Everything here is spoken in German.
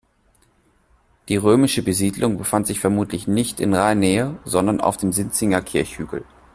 Die römische Besiedlung befand sich vermutlich nicht in Rheinnähe, sondern auf dem Sinziger Kirchhügel.